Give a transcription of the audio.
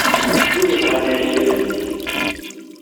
Win yebɣan ɛli yarew-it-id.